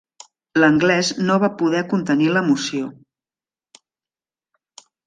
L'anglès no va poder contenir l'emoció.